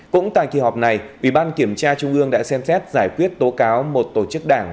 cũng tại kỳ họp này ủy ban kiểm tra trung ương đã xem xét giải quyết tố cáo một tổ chức đảng